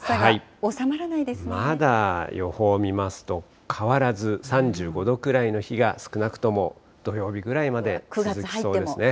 まだ予報見ますと、変わらず、３５度ぐらいの日が少なくとも土曜日ぐらいまで続きそうですね。